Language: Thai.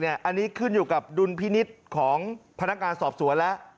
อันนี้ขึ้นอยู่กับดุลพินิษฐ์ของพนักงานสอบสวนแล้ว